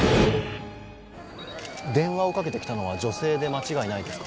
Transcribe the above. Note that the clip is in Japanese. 電話をかけて来たのは女性で間違いないですか？